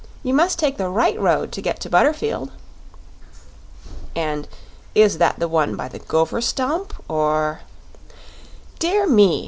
You must take the right road to get to Butterfield." "And is that the one by the gopher stump, or " "Dear me!"